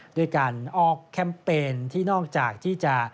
ด้วยการออกแคมเปญที่นอกจากที่จะ